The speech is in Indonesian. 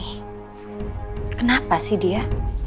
ini kenapa sih dia